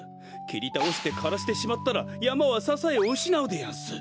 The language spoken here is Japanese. きりたおしてからしてしまったらやまはささえをうしなうでやんす。